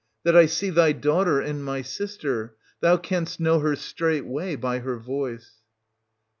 That I see thy daughter and my sister ;— thou canst know her straightway by her voice.